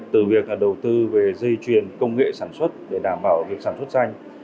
từ việc đầu tư về dây chuyền công nghệ sản xuất để đảm bảo việc sản xuất xanh